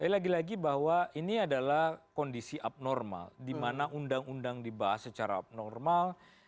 lagi lagi bahwa ini adalah kondisi abnormal di mana undang undang dibahas secara abnormal